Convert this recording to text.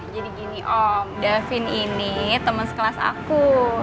jadi gini om daffin ini teman sekelas aku